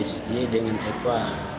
sj dengan eva